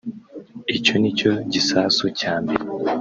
Icyo ni cyo gisasu cya mbere